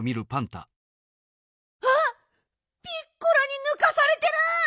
あっピッコラにぬかされてる！